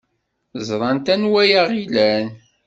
Ẓrant anwa ay aɣ-ilan.